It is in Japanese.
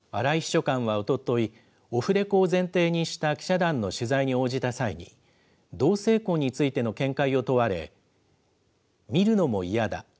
荒井秘書官はおととい、オフレコを前提にした記者団の取材に応じた際に、同性婚についての見解を問われ、見るのも嫌だ。